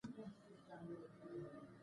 هرات د افغانستان د طبیعت برخه ده.